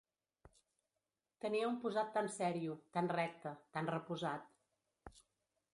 Tenia un posat tant serio, tant recte, tant reposat